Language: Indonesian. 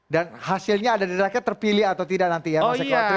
dan hasilnya ada diraknya terpilih atau tidak nanti ya mas eko